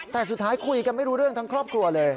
แต่สุดท้ายคุยกันไม่รู้เรื่องทั้งครอบครัวเลย